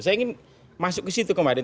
saya ingin masuk ke situ kemarin